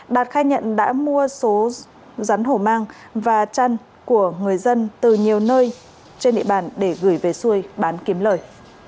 đạt khai nhận đã mua số rắn hổ mang và chăn của người dân từ nhiều nơi trên địa bàn để gửi về xuôi bán kiếm lời